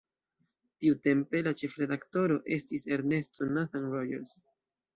Tiutempe la ĉefredaktoro estis Ernesto Nathan Rogers.